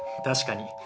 確かに。